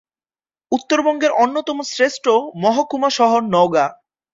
উত্তরবঙ্গের অন্যতম শ্রেষ্ঠ মহকুমা শহর নওগাঁ।